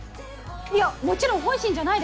いやもちろん本心じゃないです。